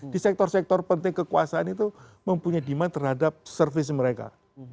di sektor sektor penting kekuasaan itu mempunyai demand terhadap service mereka